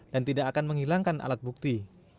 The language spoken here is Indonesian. dan tidak akan menghilangkan alat bukti